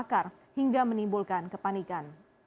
terbakar hingga menimbulkan kepanikan